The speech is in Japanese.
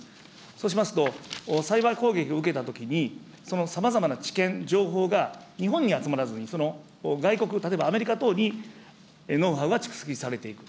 そうしますと、サイバー攻撃を受けたときに、そのさまざまな知見、情報が日本に集まらずに、外国、例えばアメリカ等にノウハウが蓄積されていく。